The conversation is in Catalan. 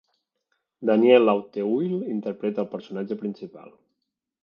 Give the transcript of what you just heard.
Daniel Auteuil interpreta el personatge principal.